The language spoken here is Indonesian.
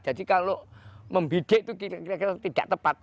jadi kalau membidek itu tidak tepat